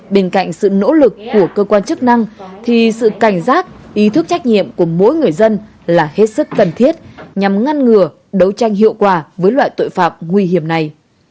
bên cạnh sự nỗ lực của cơ quan chức năng thì sự cảnh giác ý thức trách nhiệm của mỗi người dân là hết sức cần thiết nhằm ngăn ngừa đấu tranh hiệu quả với loại tội phạm nguy hiểm này